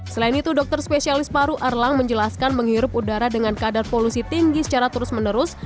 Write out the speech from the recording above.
selain itu dokter spesialis paru erlang menjelaskan menghirup udara dengan kadar polusi tinggi secara terus menerus